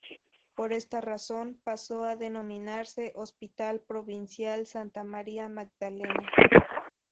Por esta razón, pasó a denominarse "Hospital Provincial Santa María Magdalena".